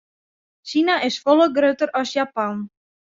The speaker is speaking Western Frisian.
Sina is folle grutter as Japan.